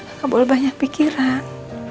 enggak boleh banyak pikiran